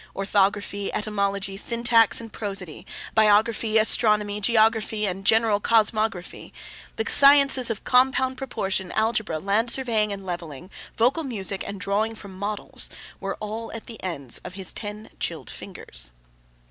Orthography, etymology, syntax, and prosody, biography, astronomy, geography, and general cosmography, the sciences of compound proportion, algebra, land surveying and levelling, vocal music, and drawing from models, were all at the ends of his ten chilled fingers.